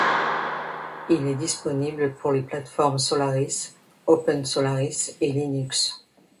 Il est disponible pour les plates-formes Solaris, OpenSolaris et Linux.